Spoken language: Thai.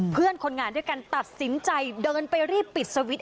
เพื่อนคนงานด้วยกันตัดสินใจเดินไปรีบปิดสวิตช